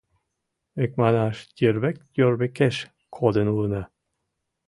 Икманаш, йырвик-йорвикеш кодын улына.